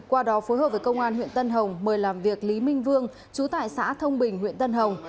qua đó phối hợp với công an huyện tân hồng mời làm việc lý minh vương chú tại xã thông bình huyện tân hồng